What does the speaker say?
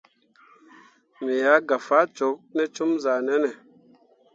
Me ah gah faa cok ne com zahʼnanne.